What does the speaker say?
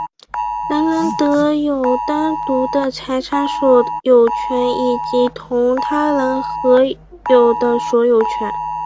人人得有单独的财产所有权以及同他人合有的所有权。